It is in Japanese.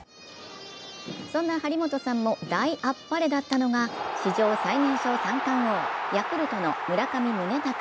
そんな張本さんも大あっぱれだったのが史上最年少三冠王、ヤクルトの村上宗隆。